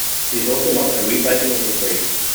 It is also not a rewriting of history.